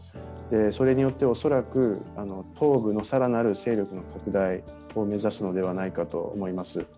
それによっては恐らく東部の更なる勢力の拡大を目指すのではないかと思います。